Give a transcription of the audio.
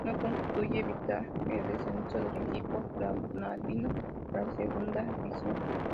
No consigue evitar el descenso del equipo granadino a la Segunda División.